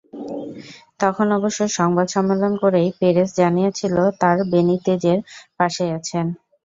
তখন অবশ্য সংবাদ সম্মেলন করেই পেরেজ জানিয়েছিলেন, তাঁরা বেনিতেজের পাশেই আছেন।